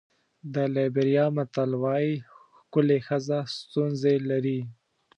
د لېبریا متل وایي ښکلې ښځه ستونزې لري.